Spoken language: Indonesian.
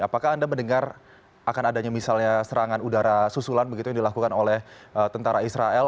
apakah anda mendengar akan adanya misalnya serangan udara susulan begitu yang dilakukan oleh tentara israel